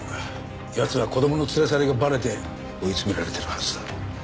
奴は子供の連れ去りがバレて追い詰められてるはずだ。